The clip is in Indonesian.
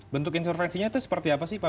bentuk intervensinya itu seperti apa sih pak